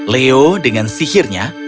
leo dengan sihirnya